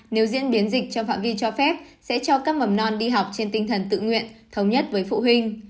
nếu diễn biến dịch trong phạm vi cho phép sẽ cho các mầm non đi học trên tinh thần tự nguyện thống nhất với phụ huynh